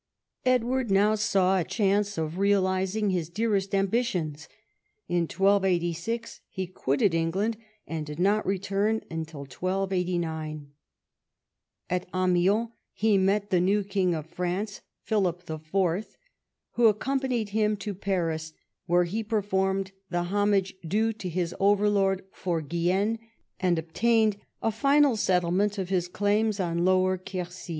Edward now saw a chance of realising his dearest ambi tions. In 1286 he quitted England, and did not return until 1289. At Amiens he met the new King of France, Phili}) IV., who accompanied him to Paris, where he per formed the homage due to his overlord for Guienne, and obtained a final settlement of his claims on Lower Quercy.